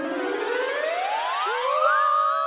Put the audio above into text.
うわ！